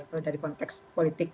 kalau dari konteks politik